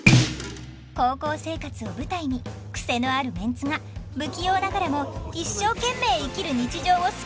高校生活を舞台にクセのあるメンツが不器用ながらも一生懸命生きる日常をスケッチします！